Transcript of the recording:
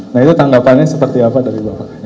nah itu tanggapannya seperti apa dari bapak